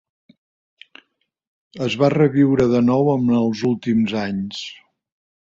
Es va reviure de nou en els últims anys.